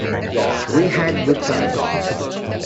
We had good times.